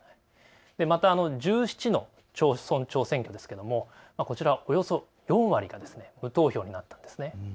またの１７の町村長選挙ですけれども、こちらおよそ４割が無投票になったんですね。